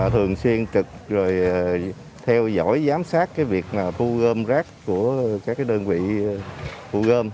thường xuyên trực theo dõi giám sát việc thu gom rác của các đơn vị thu gom